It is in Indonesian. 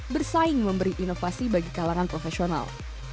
bersaing memberi inovasi bagi kalangan profesional